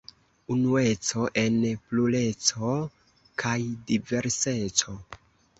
Unueco en plureco kaj diverseco.